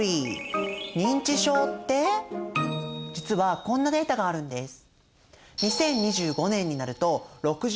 実はこんなデータがあるんです。